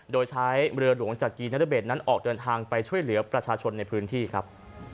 โดยใช้เรือหลวงจักรีนรเบศนั้นออกเดินทางไปช่วยเหลือประชาชนในพื้นที่ครับ